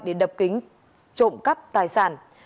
để đập kính trộm cắp tài sản